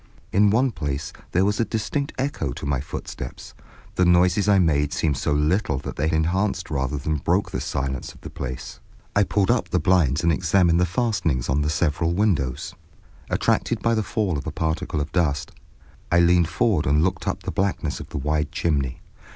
In one place there was a distinct echo to my footsteps, the noises I made seemed so little that they enhanced rather than broke the silence of the place. I pulled up the blinds and examined the fastenings of the several windows. Attracted by the fall of a particle of dust, I leaned forward and looked up the blackness of the wide chimney.